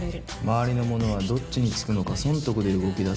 周りの者はどっちにつくのか損得で動き出す。